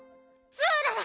ツーララ！